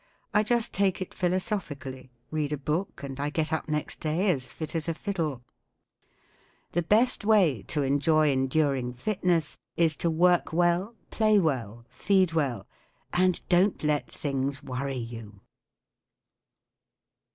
I just take it philosophically', read a book, and I get up next day as fit as a fiddle* The best way to enjoy enduring fitness is to work well, play well, feed well, and don’t let things worry you.